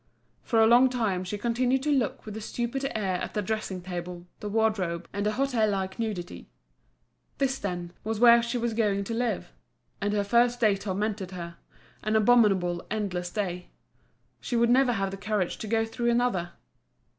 For a long time she continued to look with a stupid air at the dressing table, the wardrobe, all the hôtel like nudity. This, then, was where she was going to live; and her first day tormented her—an abominable, endless day. She would never have the courage to go through another.